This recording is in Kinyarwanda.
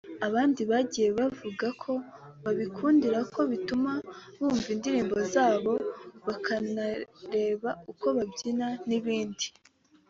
Abandi bagiye bavuga ko babikundira ko bituma bumva indirimbo zabo bakanareba uko babyina n’ibindi